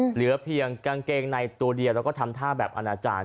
เหลือเพียงกางเกงในตัวเดียวแล้วก็ทำท่าแบบอนาจารย์